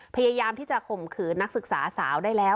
พยายามที่จะข่มขืนนักศึกษาสาวได้แล้ว